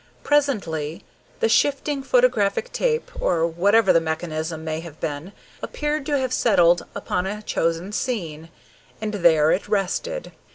Presently the shifting photographic tape, or whatever the mechanism may have been, appeared to have settled upon a chosen scene, and there it rested.